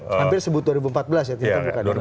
hampir sebut dua ribu empat belas ya